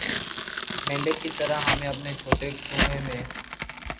مینڈک کی طرح ہمیں اپنے چھوٹے کنوئیں میں